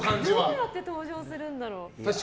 どうやって登場するんだろう。